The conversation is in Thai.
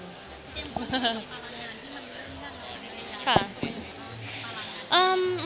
พี่ยังคิดว่ามีพลังงานที่มันเหมือนกันหรือเปลี่ยนอย่างอื่นหรือเปลี่ยนอย่างอื่นมีพลังงานที่มันเหมือนกันหรือเปลี่ยนอย่างอื่น